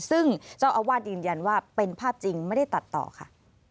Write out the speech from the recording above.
ซึ่งเจ้าอาวาสยืนยันว่าเป็นภาพจริงไม่ได้ตัดต่อค่ะ